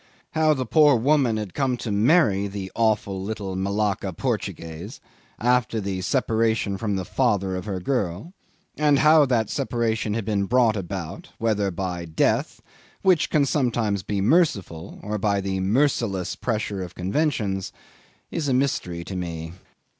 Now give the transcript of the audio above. How the poor woman had come to marry the awful little Malacca Portuguese after the separation from the father of her girl and how that separation had been brought about, whether by death, which can be sometimes merciful, or by the merciless pressure of conventions, is a mystery to me.